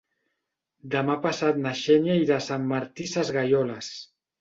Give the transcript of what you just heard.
Demà passat na Xènia irà a Sant Martí Sesgueioles.